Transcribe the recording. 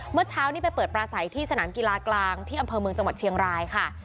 เมื่อเช้านี้ไปเปิดปลาใสที่สนามกีฬากลางที่อำเภอเมืองจังหวัดเชียงรายค่ะ